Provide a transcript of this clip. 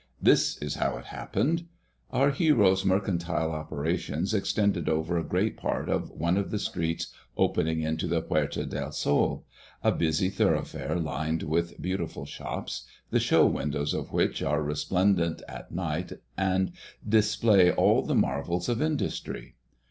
This is how it happened: Our hero's mercantile operations extended over a great part of one of the streets opening into the Puerta del Sol, a busy thoroughfare lined with beautiful shops, the show windows of which are resplendent at night, and display all the marvels of industry.